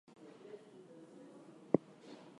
Walker had tried to take Toney into custody.